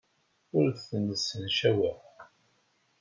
Ur tent-ssencaweɣ.